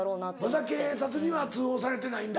まだ警察には通報されてないんだ。